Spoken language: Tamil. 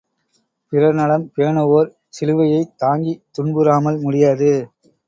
பிறர் நலம் பேணுவோர் சிலுவையைத் தாங்கித் துன்புறாமல் முடியாது.